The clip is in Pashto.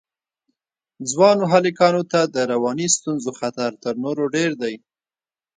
ځوانو هلکانو ته د رواني ستونزو خطر تر نورو ډېر دی.